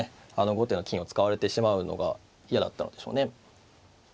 後手の金を使われてしまうのが嫌だったのでしょうね。